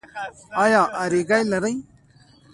ایا اریګی لرئ؟